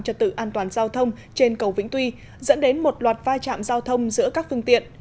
trật tự an toàn giao thông trên cầu vĩnh tuy dẫn đến một loạt vai trạm giao thông giữa các phương tiện